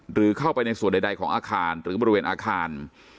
หรือเข้าไปในส่วนใดของอาคารหรือบริเวณอาคาร